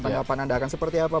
tanggapan anda akan seperti apa